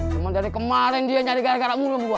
cuman dari kemarin dia nyari gara gara mulu mbak benaim